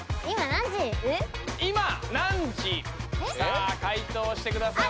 さあ解答してください。